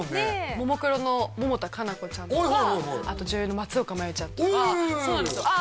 ももクロの百田夏菜子ちゃんとかあと女優の松岡茉優ちゃんとかそうなんですよああ